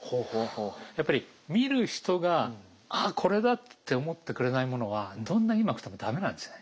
やっぱり見る人が「あっこれだ」って思ってくれないものはどんなにうまくても駄目なんですよね。